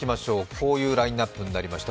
こういうラインナップになりました。